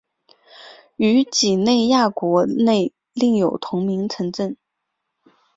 于几内亚国内另有同名城镇。